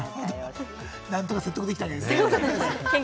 何とか説得できたんですね。